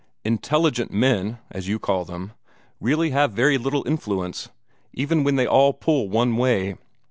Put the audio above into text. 'Intelligent men,' as you call them, really have very little influence, even when they all pull one way.